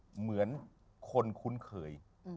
เหมือนคนคุ้นเคย